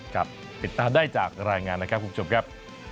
ติดตามได้จากรายงานนะครับคุณผู้ชมครับ